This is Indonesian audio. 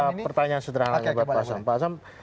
saya ada pertanyaan sederhana lagi buat pak assam